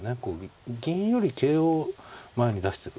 銀より桂を前に出してくる。